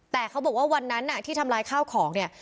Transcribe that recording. แต่เขาบอกว่าวันนั้นที่ทำลายข้าวของเนี่ย